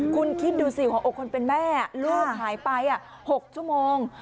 คุณคิดดูสิหัวอกคนเป็นแม่ลูกหายไป๖ชั่วโมง